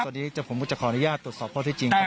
ตอนนี้ผมก็จะขออนุญาตตรวจสอบข้อที่จริงครับ